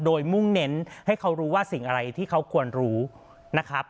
โดยมุ่งเน้นให้เขารู้ว่าสิ่งอะไรที่เขาควรรู้นะครับ